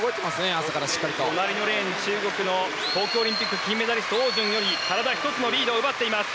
隣のレーン、中国の東京オリンピック金メダリストオウ・ジュンより体１つのリードを奪っています。